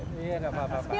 ini enggak apa apa